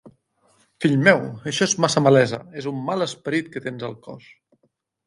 Fill meu! Això és massa malesa; és un mal esperit que tens al cos.